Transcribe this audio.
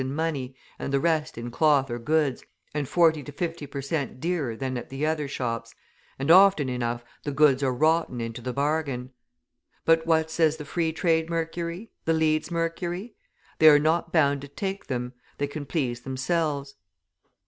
in money and the rest in cloth or goods, and 40 to 50 per cent. dearer than at the other shops, and often enough the goods are rotten into the bargain. But, what says the Free Trade Mercury, the Leeds Mercury? They are not bound to take them; they can please themselves.